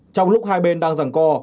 trong lúc hai bên đang giảng co